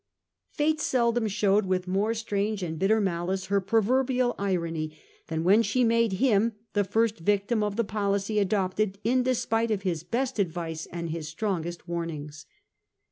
Tate seldom showed with more strange and hitter malice her proverbial irony than when she made him the first victim of the policy adopted in despite of Ms best advice and Ms strongest warnings.